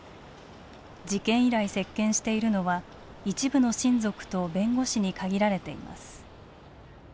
事件以来接見しているのは一部の親族と弁護士に限られています。